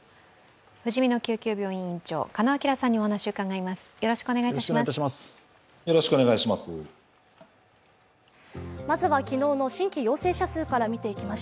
ふじみの救急病院院長、鹿野晃さんにお話を伺います。